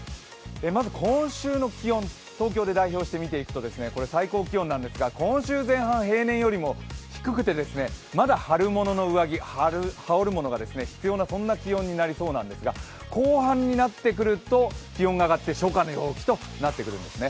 まず、今週の気温東京で代表してみていくと最高気温なんですが、今週前半、平年よりも低くてまだ春物の上着、羽織るものが必要な気温になりそうなんですが、後半になってくると気温が上がって初夏の陽気となってくるんです。